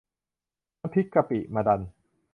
น้ำพริกกะปิมะดัน